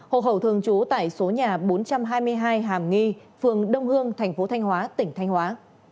hộ hậu thường trú tại số nhà bốn trăm hai mươi hai hàm nghi phường đông hương tp thanh hóa tỉnh thanh hóa